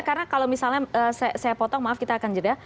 karena kalau misalnya saya potong maaf kita akan jeda